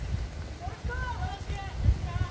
よろしくな。